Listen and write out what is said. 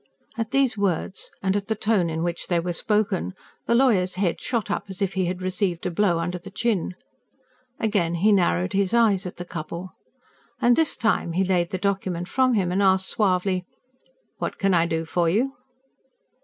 At these words, and at the tone in which they were spoken, the lawyer's head shot up as if he had received a blow under the chin. Again he narrowed his eyes at the couple. And this time he laid the document from him and asked suavely: "What can I do for you?"